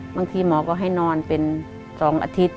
บางทีหมอก็ให้นอนเป็น๒อาทิตย์